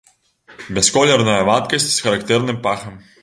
Бясколерная вадкасць з характэрным пахам.